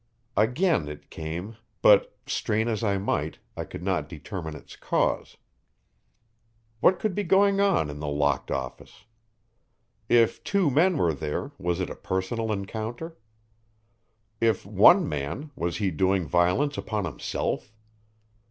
Again it came, but, strain as I might, I could not determine its cause. What could be going on in the locked office? If two men were there was it a personal encounter? If one man, was he doing violence upon himself?